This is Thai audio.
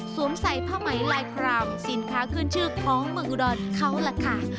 ใส่ผ้าไหมลายครามสินค้าขึ้นชื่อของเมืองอุดรเขาล่ะค่ะ